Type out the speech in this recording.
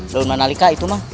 daun manalika itu mah